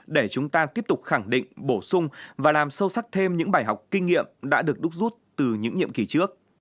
để chúng ta tiếp tục khẳng định bổ sung và làm sâu sắc thêm những bài học kinh nghiệm đã được đúc rút từ những nhiệm kỳ trước